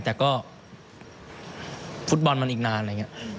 แต่ก็ฟุตบอลมันอีกนานอะไรอย่างนี้